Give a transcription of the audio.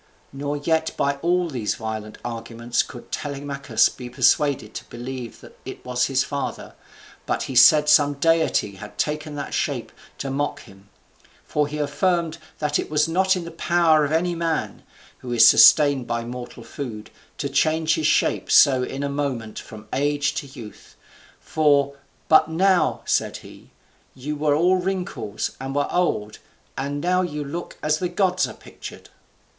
Nor yet by all these violent arguments could Telemachus be persuaded to believe that it was his father, but he said some deity had taken that shape to mock him; for he affirmed that it was not in the power of any man, who is sustained by mortal food, to change his shape so in a moment from age to youth: for, "but now," said he, "you were all wrinkles, and were old, and now you look as the gods are pictured."